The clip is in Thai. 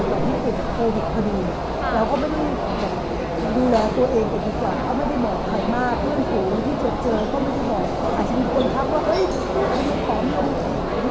เขาไม่ได้บอกใครมากเรื่องผู้ที่เจียบเจอก็ไม่ได้บอก